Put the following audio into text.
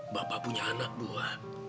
bapak punya anak dua